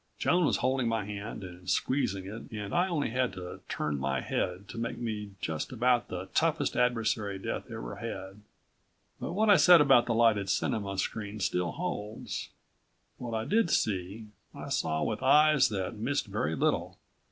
Joan was holding my hand and squeezing it and I only had to turn my head to make me just about the toughest adversary Death ever had. But what I said about the lighted cinema screen still holds. What I did see, I saw with eyes that missed very little.